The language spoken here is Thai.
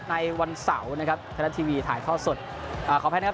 ในวันเสาร์นะครับชนะทีวีถ่ายข้อสดอ่าขอแพ้นะครับ